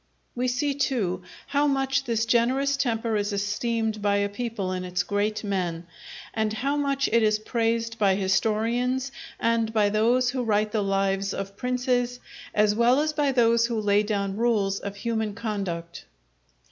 We see, too, how much this generous temper is esteemed by a people in its great men; and how much it is praised by historians and by those who write the lives of princes, as well as by those who lay down rules of human conduct.